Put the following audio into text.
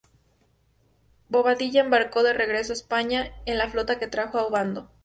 Bobadilla embarcó de regreso a España en la flota que trajo a Ovando.